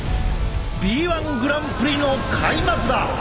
Ｂ−ＯＮＥグランプリの開幕だ！